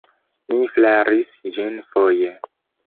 Mi flaris ĝin foje.